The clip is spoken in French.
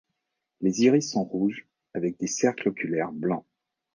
Les iris sont rouges avec des cercles oculaires blancs.